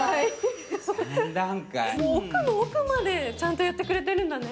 奥の奥までちゃんとやってくれてるんだね。